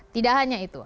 tidak hanya itu